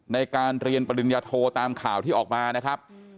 ในการเรียนปริญญาโทตามข่าวที่ออกมานะครับ